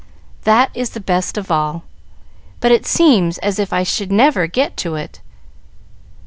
"That is the best of all, but it seems as if I never should get to it.